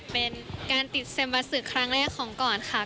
เป็นการติดเซ็มบาสศึกครั้งแรกของก่อนค่ะ